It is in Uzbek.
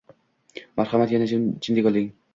Marhamat, yana jindak oling.